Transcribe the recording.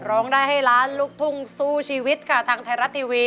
ร้องได้ให้ล้านลูกทุ่งสู้ชีวิตค่ะทางไทยรัฐทีวี